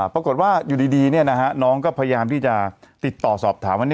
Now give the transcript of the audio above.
ปรากฏว่าอยู่ดีน้องก็พยายามที่จะติดต่อสอบถามว่า